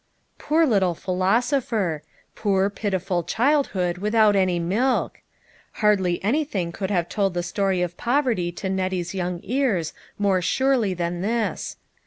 Poor little philosopher ! Poor, pitiful child hood without any milk ! Hardly anything could have told the story of poverty to Nettie's young ears more surely than this.